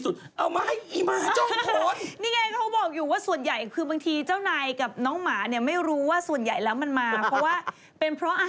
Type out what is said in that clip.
ถูกให้ฉันเอามะม่วงอ่ะมาจากศาสนเศร้า